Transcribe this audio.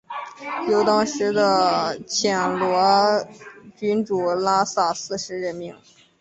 由当时的暹罗君主拉玛四世命名。